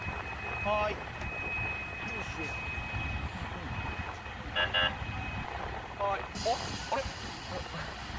はーい、おっ、あれ？